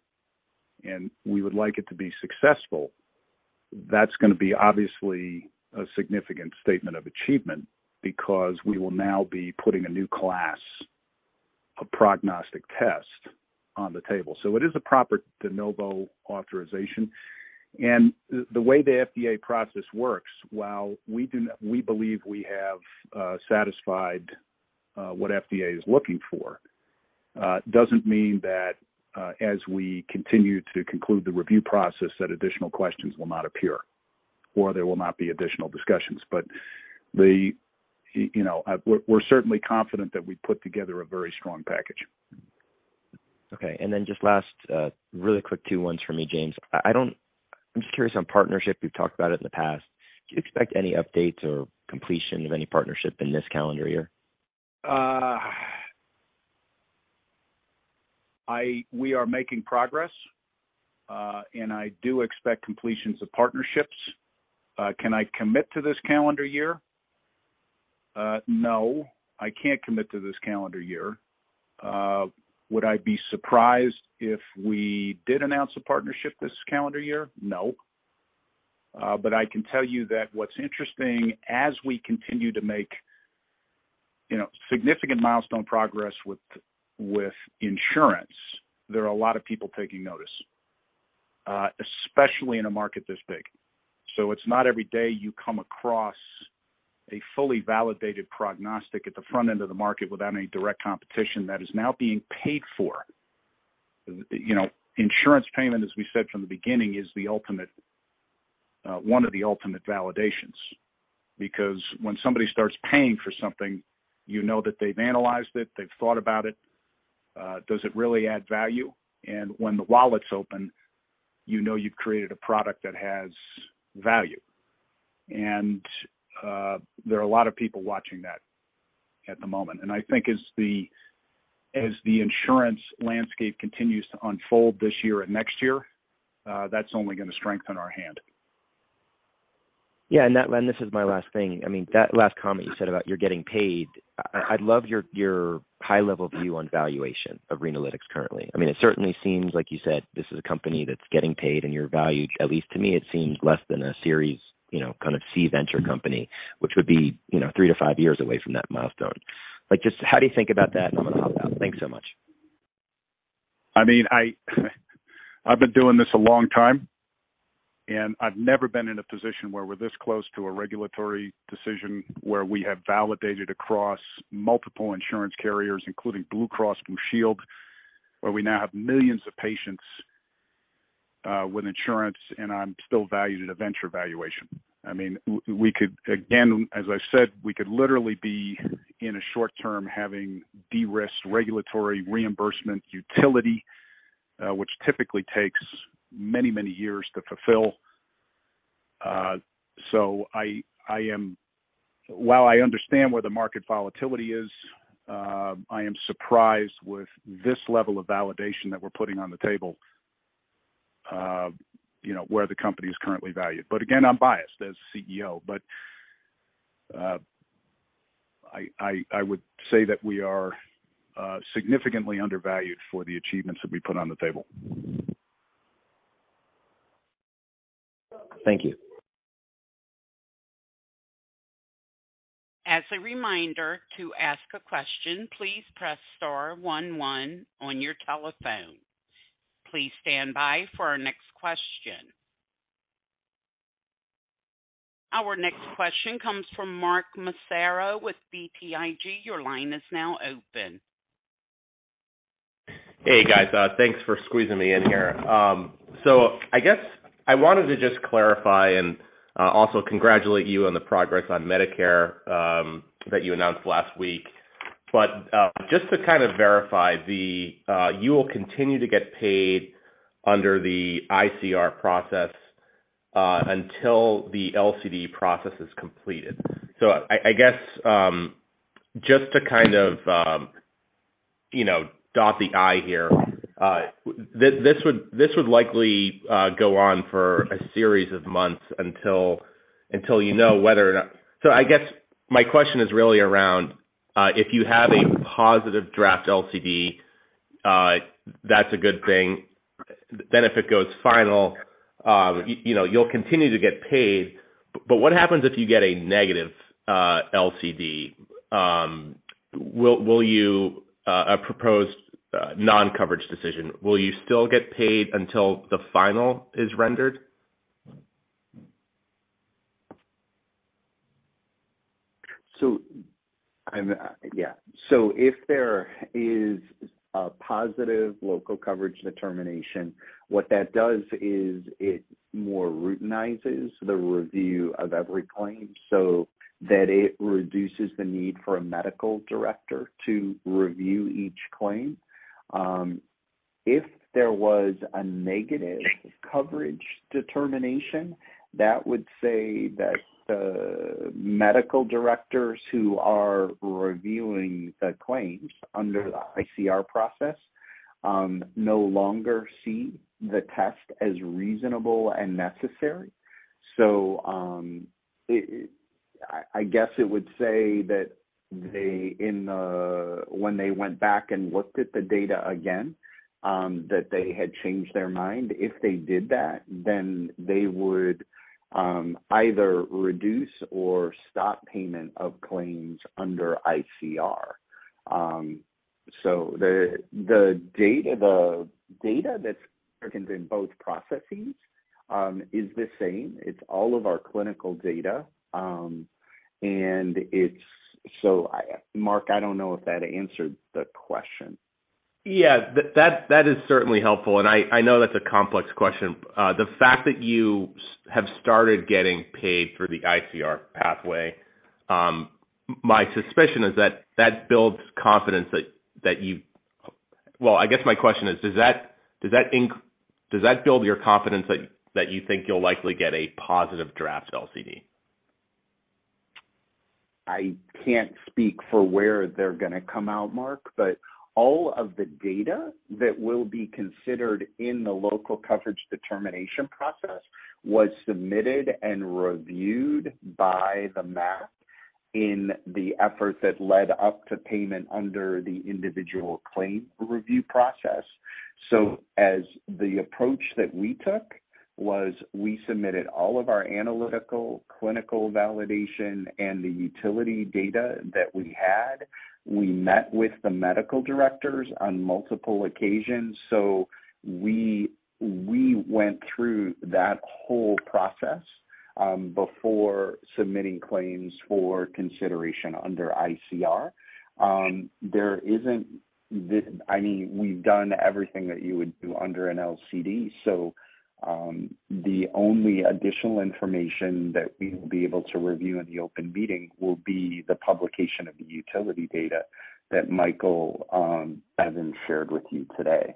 and we would like it to be successful, that's gonna be obviously a significant statement of achievement because we will now be putting a new class, a prognostic test on the table. It is a proper De Novo authorization. The way the FDA process works, while we believe we have satisfied what FDA is looking for, doesn't mean that, as we continue to conclude the review process, that additional questions will not appear or there will not be additional discussions. You know, we're certainly confident that we put together a very strong package. Okay. Just last, really quick two ones for me, James. I'm just curious on partnership. We've talked about it in the past. Do you expect any updates or completion of any partnership in this calendar year? We are making progress, and I do expect completions of partnerships. Can I commit to this calendar year? No, I can't commit to this calendar year. Would I be surprised if we did announce a partnership this calendar year? No. But I can tell you that what's interesting, as we continue to make, you know, significant milestone progress with insurance, there are a lot of people taking notice, especially in a market this big. So it's not every day you come across a fully validated prognostic at the front end of the market without any direct competition that is now being paid for. You know, insurance payment, as we said from the beginning, is the ultimate one of the ultimate validations. Because when somebody starts paying for something, you know that they've analyzed it, they've thought about it, does it really add value? When the wallet's open, you know you've created a product that has value. There are a lot of people watching that at the moment. I think as the insurance landscape continues to unfold this year and next year, that's only gonna strengthen our hand. Yeah, that, and this is my last thing. I mean, that last comment you said about you're getting paid, I'd love your high-level view on valuation of Renalytix currently. I mean, it certainly seems, like you said, this is a company that's getting paid, and you're valued. At least to me, it seems less than a Series, you know, kind of C venture company, which would be, you know, three to five years away from that milestone. Like, just how do you think about that? Then I'll hop out. Thanks so much. I mean, I've been doing this a long time, and I've never been in a position where we're this close to a regulatory decision where we have validated across multiple insurance carriers, including Blue Cross Blue Shield, where we now have millions of patients with insurance, and I'm still valued at a venture valuation. I mean, we could, again, as I said, we could literally be, in a short term, having de-risked regulatory reimbursement utility, which typically takes many, many years to fulfill. While I understand where the market volatility is, I am surprised with this level of validation that we're putting on the table, you know, where the company is currently valued. Again, I'm biased as CEO. I would say that we are significantly undervalued for the achievements that we put on the table. Thank you. As a reminder, to ask a question, please press star one one on your telephone. Please stand by for our next question. Our next question comes from Mark Massaro with BTIG. Your line is now open. Hey, guys. Thanks for squeezing me in here. I guess I wanted to just clarify and also congratulate you on the progress on Medicare that you announced last week. Just to kind of verify, you'll continue to get paid under the ICR process until the LCD process is completed. I guess, just to kind of, you know, dot the i here, this would likely go on for a series of months until you know whether or not. I guess my question is really around, if you have a positive draft LCD, that's a good thing. If it goes final, you know, you'll continue to get paid. What happens if you get a negative LCD? Will you still get paid until the final is rendered? If there is a positive Local Coverage Determination, what that does is it more routinizes the review of every claim so that it reduces the need for a medical director to review each claim. If there was a negative coverage determination, that would say that the medical directors who are reviewing the claims under the ICR process no longer see the test as reasonable and necessary. I guess it would say that they, when they went back and looked at the data again, that they had changed their mind. If they did that, then they would either reduce or stop payment of claims under ICR. The data that's in both processes is the same. It's all of our clinical data. I, Mark, I don't know if that answered the question? Yeah. That is certainly helpful, and I know that's a complex question. The fact that you have started getting paid through the ICR pathway, my suspicion is that that builds confidence that you. Well, I guess my question is, does that build your confidence that you think you'll likely get a positive draft LCD? I can't speak for where they're gonna come out, Mark, but all of the data that will be considered in the Local Coverage Determination process was submitted and reviewed by the MAC. In the effort that led up to payment under the individual claim review process. As the approach that we took was we submitted all of our analytical, clinical validation and the utility data that we had. We met with the medical directors on multiple occasions. We went through that whole process before submitting claims for consideration under ICR. I mean, we've done everything that you would do under an LCD. The only additional information that we will be able to review in the open meeting will be the publication of the utility data that Michael Donovan shared with you today.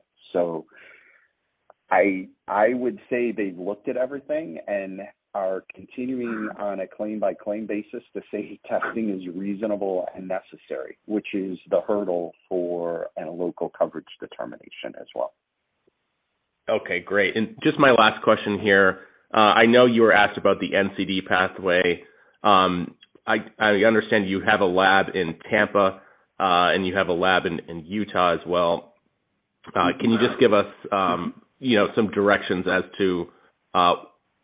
I would say they've looked at everything and are continuing on a claim-by-claim basis to say testing is reasonable and necessary, which is the hurdle for a local coverage determination as well. Okay, great. Just my last question here. I know you were asked about the NCD pathway. I understand you have a lab in Tampa, and you have a lab in Utah as well. Mm-hmm. Can you just give us, you know, some directions as to,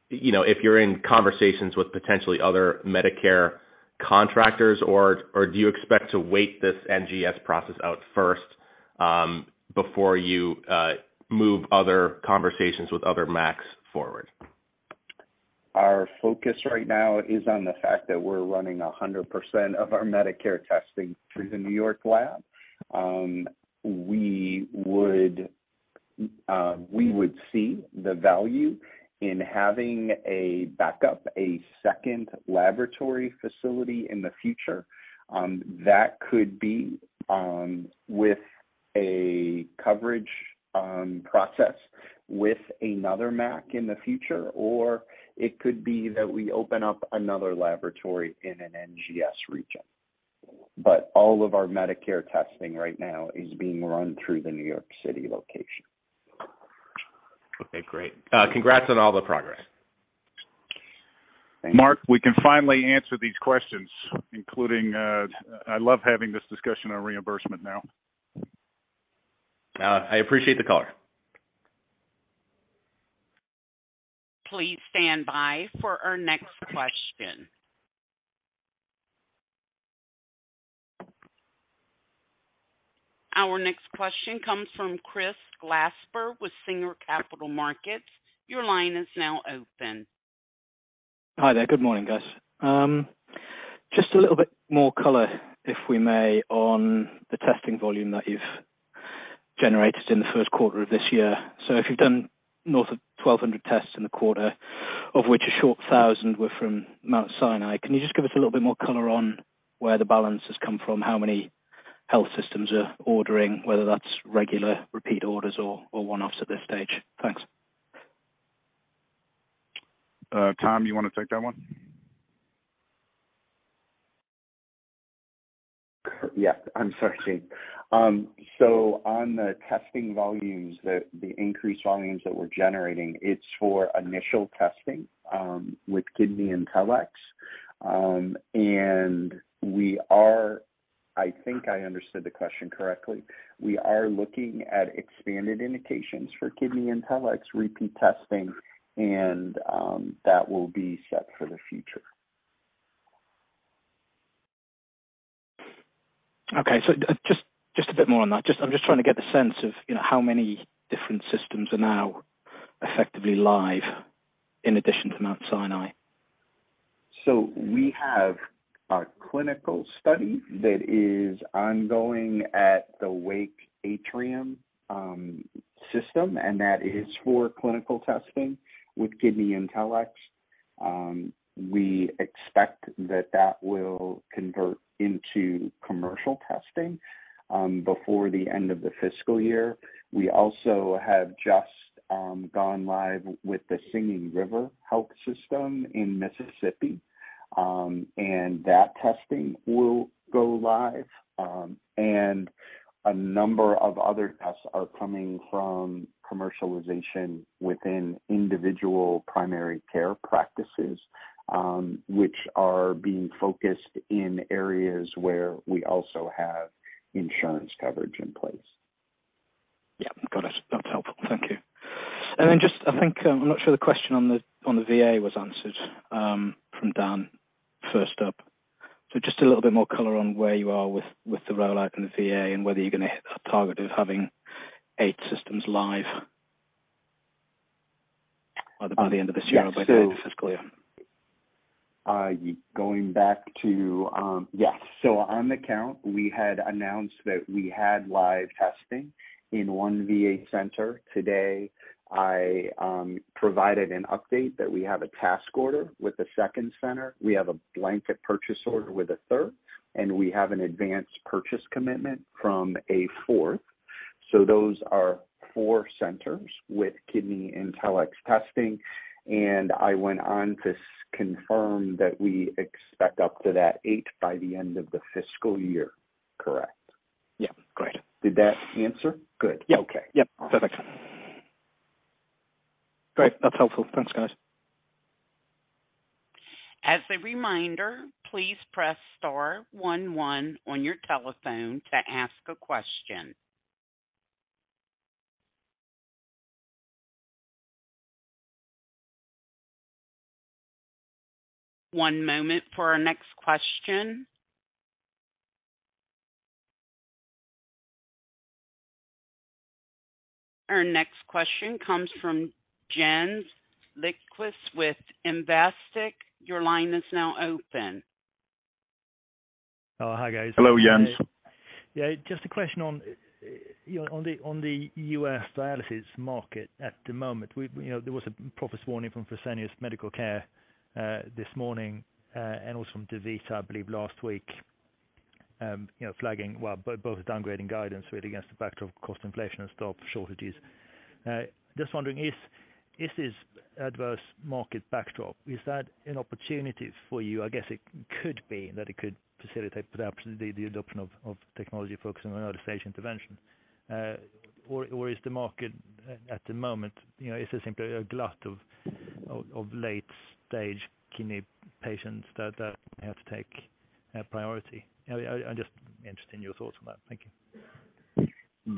you know, if you're in conversations with potentially other Medicare contractors or do you expect to wait this NGS process out first, before you move other conversations with other MACs forward? Our focus right now is on the fact that we're running 100% of our Medicare testing through the New York lab. We would see the value in having a backup, a second laboratory facility in the future that could be with a coverage process with another MAC in the future, or it could be that we open up another laboratory in an NGS region. All of our Medicare testing right now is being run through the New York City location. Okay, great. Congrats on all the progress. Thank you. Mark, we can finally answer these questions, including, I love having this discussion on reimbursement now. I appreciate the call. Please stand by for our next question. Our next question comes from Chris Glasper with Singer Capital Markets. Your line is now open. Hi there. Good morning, guys. Just a little bit more color, if we may, on the testing volume that you've generated in the first quarter of this year. If you've done north of 1,200 tests in the quarter, of which about 1,000 were from Mount Sinai, can you just give us a little bit more color on where the balance has come from, how many health systems are ordering, whether that's regular repeat orders or one-offs at this stage? Thanks. Tom, you wanna take that one? I'm sorry. On the testing volumes, the increased volumes that we're generating, it's for initial testing with KidneyIntelX. I think I understood the question correctly. We are looking at expanded indications for KidneyIntelX repeat testing, and that will be set for the future. Okay. Just a bit more on that. I'm just trying to get the sense of, you know, how many different systems are now effectively live in addition to Mount Sinai? We have a clinical study that is ongoing at the Atrium Health Wake Forest Baptist system, and that is for clinical testing with KidneyIntelX. We expect that that will convert into commercial testing before the end of the fiscal year. We also have just gone live with the Singing River Health System in Mississippi, and that testing will go live. A number of other tests are coming from commercialization within individual primary care practices, which are being focused in areas where we also have insurance coverage in place. Yeah. Got it. That's helpful. Thank you. Then just I think, I'm not sure the question on the VA was answered from Dan first up. So just a little bit more color on where you are with the rollout in the VA and whether you're gonna hit that target of having 8 systems live by the end of this year, by the end of this fiscal year. Yes. On the count, we had announced that we had live testing in 1 VA center. Today, I provided an update that we have a task order with the second center. We have a blanket purchase order with a third, and we have an advanced purchase commitment from a fourth. Those are 4 centers with KidneyIntelX testing. I went on to confirm that we expect up to that 8 by the end of the fiscal year. Correct. Yeah. Great. Did that answer? Good. Yeah. Okay. Yeah. Perfect. Great. That's helpful. Thanks, guys. As a reminder, please press star one one on your telephone to ask a question. One moment for our next question. Our next question comes from Jens Lindqvist with Investec. Your line is now open. Oh, hi, guys. Hello, Jens. Yeah, just a question on, you know, on the U.S. dialysis market at the moment. You know, there was a profits warning from Fresenius Medical Care this morning, and also from DaVita, I believe, last week. You know, flagging well, both downgrading guidance really against the backdrop of cost inflation and staff shortages. Just wondering if this is adverse market backdrop, is that an opportunity for you? I guess it could be that it could facilitate perhaps the adoption of technology focusing on early stage intervention. Or is the market at the moment, you know, is it simply a glut of late-stage kidney patients that have to take a priority? I'm just interested in your thoughts on that. Thank you.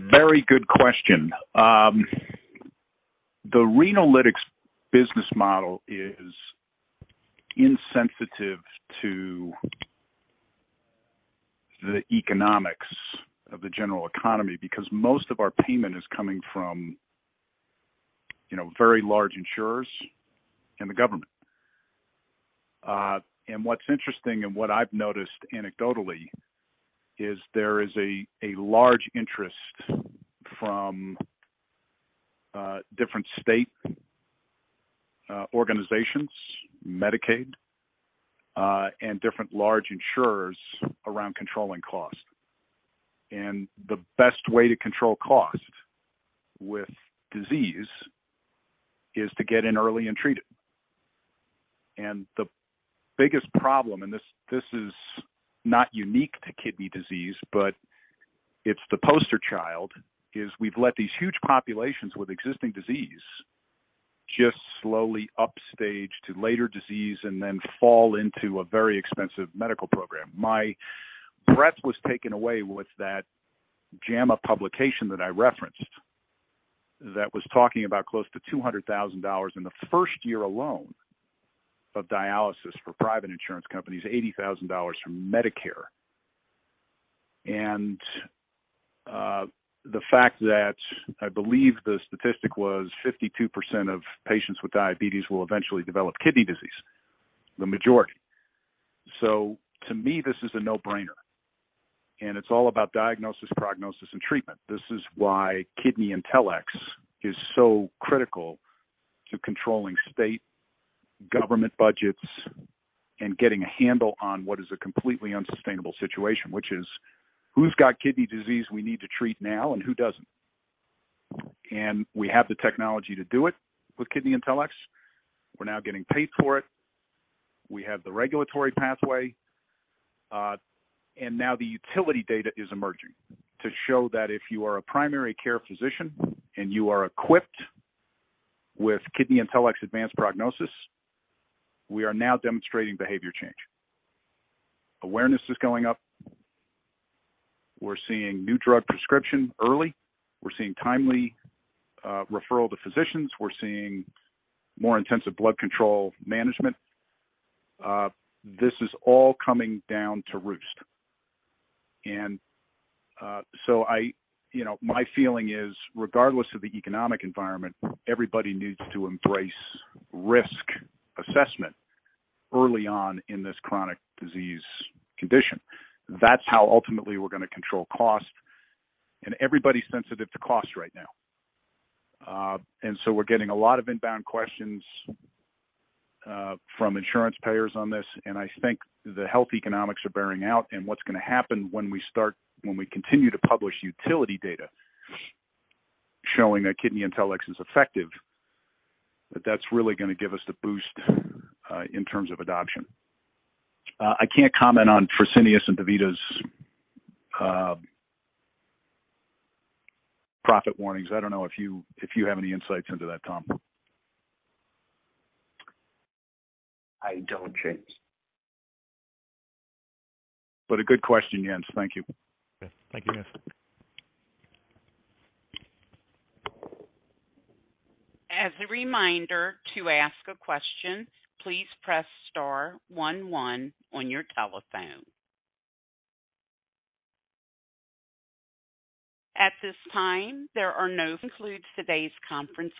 Very good question. The Renalytix business model is insensitive to the economics of the general economy because most of our payment is coming from, you know, very large insurers and the government. What's interesting and what I've noticed anecdotally is there is a large interest from different state organizations, Medicaid, and different large insurers around controlling cost. The best way to control cost with disease is to get in early and treat it. The biggest problem, and this is not unique to kidney disease, but it's the poster child, is we've let these huge populations with existing disease just slowly upstage to later disease and then fall into a very expensive medical program. My breath was taken away with that JAMA publication that I referenced that was talking about close to $200,000 in the first year alone of dialysis for private insurance companies, $80,000 from Medicare. The fact that I believe the statistic was 52% of patients with diabetes will eventually develop kidney disease, the majority. To me, this is a no-brainer, and it's all about diagnosis, prognosis, and treatment. This is why KidneyIntelX is so critical to controlling state government budgets and getting a handle on what is a completely unsustainable situation, which is who's got kidney disease we need to treat now and who doesn't? We have the technology to do it with KidneyIntelX. We're now getting paid for it. We have the regulatory pathway. Now the utility data is emerging to show that if you are a primary care physician and you are equipped with KidneyIntelX advanced prognosis, we are now demonstrating behavior change. Awareness is going up. We're seeing new drug prescription early. We're seeing timely referral to physicians. We're seeing more intensive blood control management. This is all coming down to roost. I, you know, my feeling is, regardless of the economic environment, everybody needs to embrace risk assessment early on in this chronic disease condition. That's how ultimately we're gonna control cost, and everybody's sensitive to cost right now. We're getting a lot of inbound questions from insurance payers on this, and I think the health economics are bearing out. What's gonna happen when we start, when we continue to publish utility data showing that KidneyIntelX is effective, that's really gonna give us the boost in terms of adoption. I can't comment on Fresenius and DaVita's profit warnings. I don't know if you have any insights into that, Tom. I don't, Jens. A good question, Jens. Thank you. Thank you, guys. As a reminder, to ask a question, please press star one one on your telephone. At this time, concludes today's conference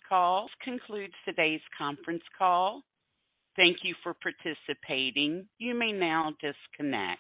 call. Thank you for participating. You may now disconnect.